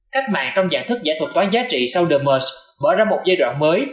các mạng trong giảng thức giải thuật toán giá trị sau the musk mở ra một giai đoạn mới